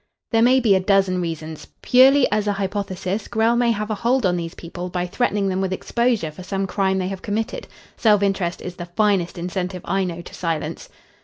"There may be a dozen reasons. Purely as an hypothesis, Grell may have a hold on these people by threatening them with exposure for some crime they have committed. Self interest is the finest incentive I know to silence."